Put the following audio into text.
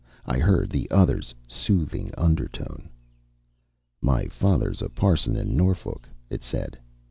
I heard the other's soothing undertone. "My father's a parson in Norfolk," it said.